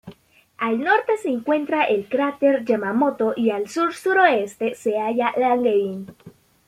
Al norte se encuentra el cráter Yamamoto, y al sur-suroeste se halla Langevin.